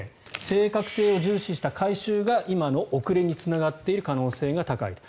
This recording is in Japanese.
正確性を重視した改修が今の遅れにつながっている可能性が高いと。